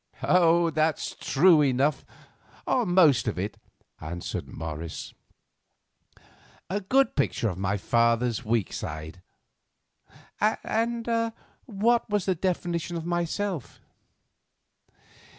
"That's true enough, or most of it," answered Morris, "a good picture of my father's weak side. And what was his definition of myself?"